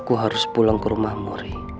aku harus pulang ke rumahmu aja